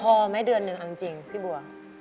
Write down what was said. พอไหมเดือนหนึ่งเอาจริงพี่บัว